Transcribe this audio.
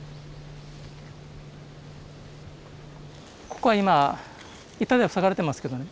ここは今板で塞がれてますけどね。